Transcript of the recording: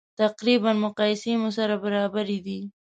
تقریبا مقایسې مو سره برابرې دي.